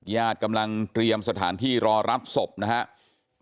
ญาติกำลังเตรียมสถานที่รอรับศพนะครับ